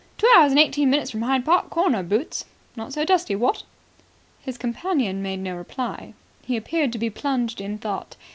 "Two hours and eighteen minutes from Hyde Park Corner, Boots. Not so dusty, what?" His companion made no reply. He appeared to be plunged in thought.